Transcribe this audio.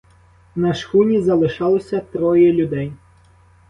На шхуні залишалося троє людей.